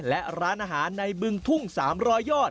และร้านอาหารในบึงทุ่ง๓๐๐ยอด